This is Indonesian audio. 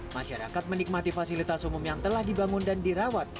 masyarakat menikmati fasilitas umum yang telah dibangun dan dirawat